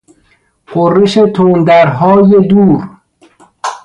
غرش تندرهای دور